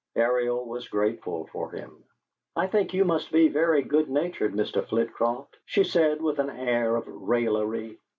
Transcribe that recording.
Ariel was grateful for him. "I think you must be very good natured, Mr. Flitcroft," she said, with an air of raillery.